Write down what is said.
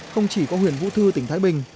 không chỉ có huyện vũ thư tỉnh thái bình